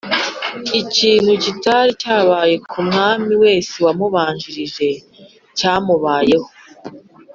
Ikintu kitari cyabaye ku mwami wese wamubanjirije, cyamubayeho